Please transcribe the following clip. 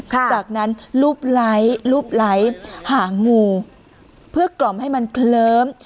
จากนั้นลูบไหลหางงูเพื่อกล่อมให้มันเคลิ้ม